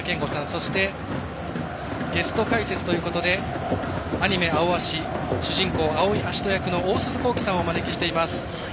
そしてゲスト解説ということでアニメ「アオアシ」主人公・青井葦人役の大鈴功起さんをお迎えしています。